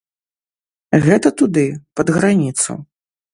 Гэта туды, пад граніцу.